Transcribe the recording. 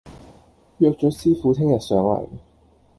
約咗師傅聽日上嚟